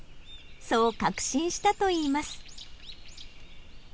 そう確信したと言います。